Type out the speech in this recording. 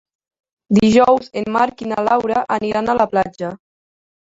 Dijous en Marc i na Laura aniran a la platja.